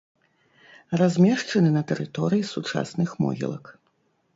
Размешчаны на тэрыторыі сучасных могілак.